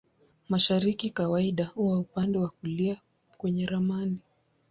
Mashariki kawaida huwa upande wa kulia kwenye ramani.